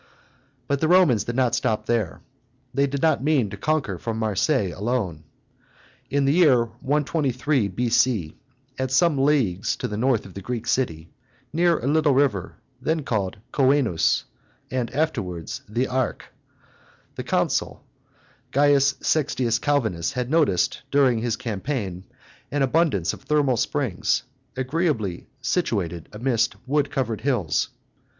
But the Romans did not stop there. They did not mean to conquer for Marseilles alone. In the year 123 B.C., at some leagues to the north of the Greek city, near a little river, then called the Coenus and nowadays the Arc, the consul C. Sextius Calvinus had noticed, during his campaign, an abundance of thermal springs, agreeably situated amidst wood covered hills.